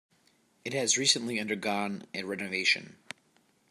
It has recently undergone a renovation.